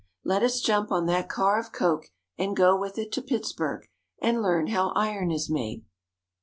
Let us jump on that car of coke, and go with it to Pitts burg, and learn how iron is made.